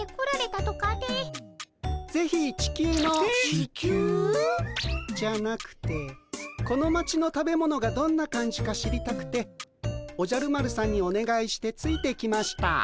地球？じゃなくてこの町の食べ物がどんな感じか知りたくておじゃる丸さんにおねがいしてついてきました。